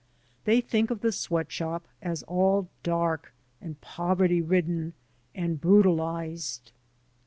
They think of the sweat shop as all dark and poverty ridden and brutalized.